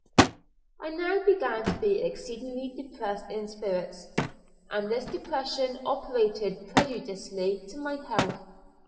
I now began to be exceedingly depressed in spirits, and this depression operated prejudicially to my health.